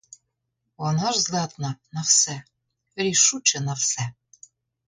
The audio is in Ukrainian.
Вона ж здатна на все, рішуче на все.